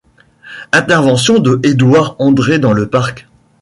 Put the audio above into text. Interventions de Edouard André dans le parc.